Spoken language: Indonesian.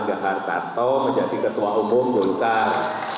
pak erlangga hartarto menjadi ketua umum bulgar